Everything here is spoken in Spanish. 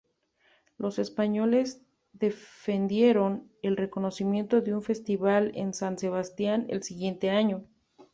Los españoles defendieron el reconocimiento de un festival en San Sebastián el siguiente año.